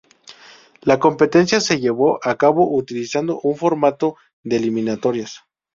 La competencia se llevó a cabo utilizando un formato de eliminatorias.